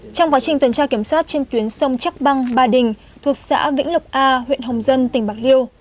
trong quá trình tuần tra kiểm soát trên tuyến sông chắc băng ba đình thuộc xã vĩnh lộc a huyện hồng dân tỉnh bạc liêu